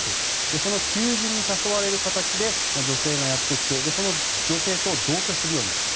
その求人に誘われる形で女性がやってきて、その女性と同居するようになったと。